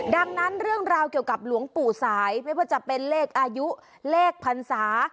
ดังนั้นเรื่องราวเกี่ยวกับหลวงปู่สายไม่ว่าจะเป็นเลขอายุเลขพรรษา